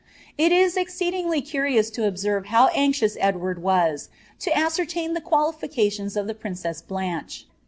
It is exceedingly curious to observe how anxioiu Edwftnl aseerlain the qualifications of the princess Blanche.